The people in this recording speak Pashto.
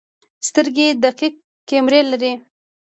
سترګې دقیق کیمرې دي.